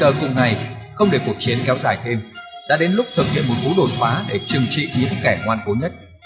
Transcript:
một mươi bảy h cùng ngày không để cuộc chiến kéo dài thêm đã đến lúc thực hiện một vũ đồn hóa để trừng trị những kẻ ngoan cố nhất